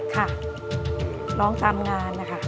ค่ะร้องตามงานนะครับ